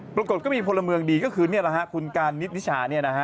ปรากฏก็มีพลเมืองดีก็คือคุณการณ์นิติชา